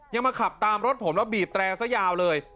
มาขับตามรถผมแล้วบีบแตรซะยาวเลย